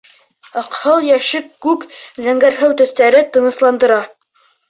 Аҡһыл йәшел, күк, зәңгәрһыу төҫтәр тынысландыра.